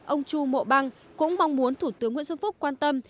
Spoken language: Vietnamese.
ông chu mộ băng cũng mong muốn thủ tướng nguyễn xuân phúc quan tâm